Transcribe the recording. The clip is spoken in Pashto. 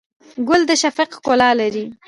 ګل د شفق ښکلا لري.